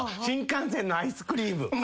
新幹線のアイスクリーム。